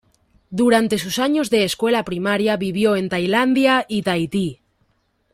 Durante sus años de escuela primaria vivió en Tailandia y Tahití.